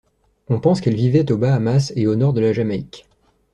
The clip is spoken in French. On pense qu'elle vivait aux Bahamas et au nord de la Jamaïque.